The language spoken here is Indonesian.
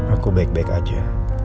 aku baik baik aja